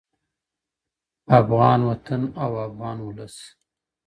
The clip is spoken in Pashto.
افغان وطن او افغان ولس